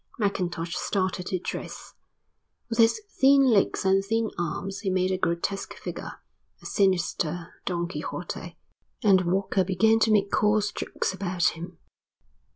Mackintosh started to dress. With his thin legs and thin arms he made a grotesque figure, a sinister Don Quixote, and Walker began to make coarse jokes about him.